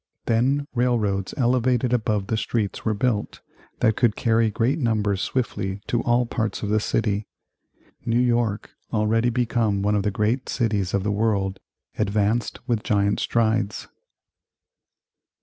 Then railroads elevated above the streets were built that could carry great numbers swiftly to all parts of the city. New York, already become one of the great cities of the world, advanced with giant strides.